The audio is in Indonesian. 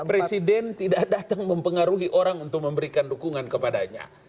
presiden tidak datang mempengaruhi orang untuk memberikan dukungan kepadanya